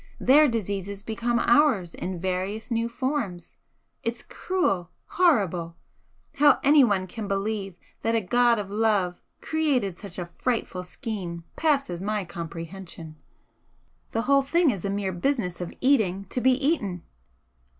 Their diseases become ours in various new forms. It's cruel, horrible! How anyone can believe that a God of Love created such a frightful scheme passes my comprehension! The whole thing is a mere business of eating to be eaten!"